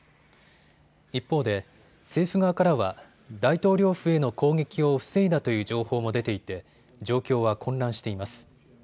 一方で政府側からは大統領府への攻撃を防いだという情報も出ていて状況は混乱しています。